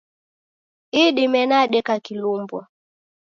Idime nadeka kilumbwa.